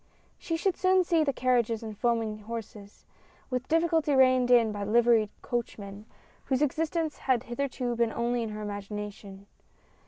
She should soon see the carriages and foaming horses, with difficulty reined in by liveried coachmen, whose existence had hitherto been only in her imagination.